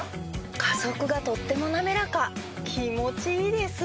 加速がとっても滑らか気持ちいいです。